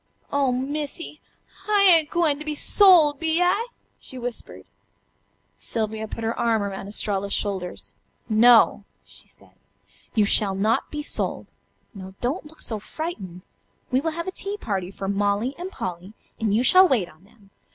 "Oh, Missy! I ain't gwine to be sold, be I?" she whispered. Sylvia put her arm around Estralla's shoulders. "No!" she said, "you shall not be sold. Now, don't look so frightened. We will have a tea party for Molly and Polly, and you shall wait on them.